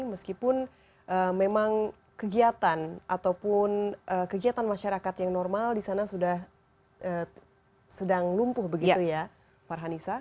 meskipun memang kegiatan ataupun kegiatan masyarakat yang normal di sana sudah sedang lumpuh begitu ya farhanisa